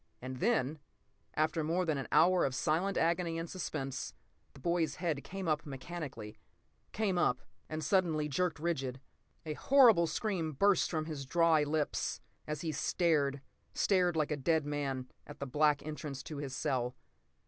And then, after more than an hour of silent agony and suspense, the boy's head came up mechanically. Came up—and suddenly jerked rigid. A horrible scream burst from his dry lips as he stared—stared like a dead man—at the black entrance to his cell.